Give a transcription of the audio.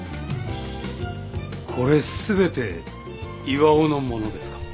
これ全て巌のものですか？